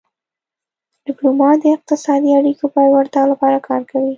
ډیپلومات د اقتصادي اړیکو پیاوړتیا لپاره کار کوي